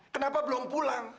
kenapa belum pulang